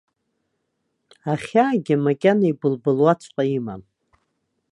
Ахьаагьы макьана ибылбылуаҵәҟьа имам.